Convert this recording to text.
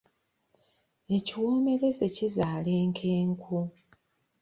Ekiwoomereze kizaala enkenku.